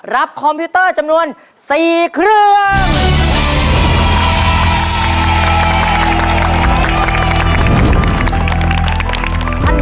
คอมพิวเตอร์จำนวน๔เครื่อง